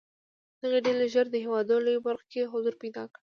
دغې ډلې ژر د هېواد لویو برخو کې حضور پیدا کړ.